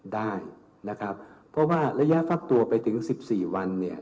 ได้เพราะว่าระยะฟักตัวไปถึง๑๔วัน